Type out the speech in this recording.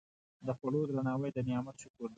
د خوړو درناوی د نعمت شکر دی.